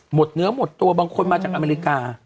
เนื้อหมดตัวบางคนมาจากอเมริกา